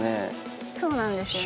そうなんですよね。